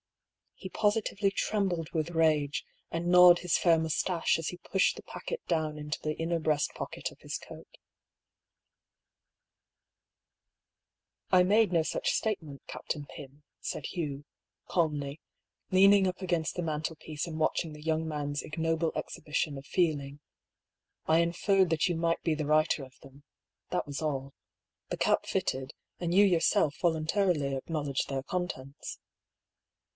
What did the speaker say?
" He positively trembled with rage, and gnawed his fair moustache as he pushed the packet down into the inner breastpocket of his coat A MORAL DUEL. 81 "I made no such statement, Captain Pym/' said Hugh, calmly, leaning up against the mantelpiece and watching the young man's ignoble exhibition of feeling. " I inferred that you might be the writer of them — that was aU. The cap fitted, and you yourself voluntarily acknowledged their contents."